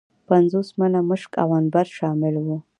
پنځوس منه مشک او عنبر شامل وه.